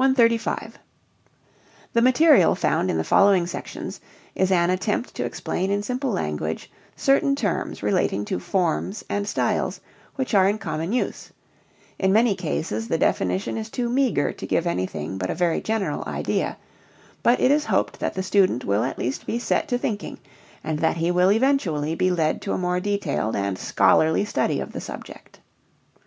135. The material found in the following sections is an attempt to explain in simple language certain terms relating to forms and styles which are in common use; in many cases the definition is too meagre to give anything but a very general idea, but it is hoped that the student will at least be set to thinking and that he will eventually be led to a more detailed and scholarly study of the subject.